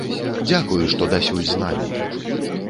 Дзякуй, што дасюль з намі!